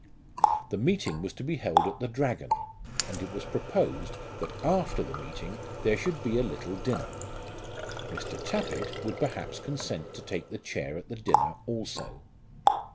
The meeting was to be held at the Dragon, and it was proposed that after the meeting there should be a little dinner. Mr. Tappitt would perhaps consent to take the chair at the dinner also.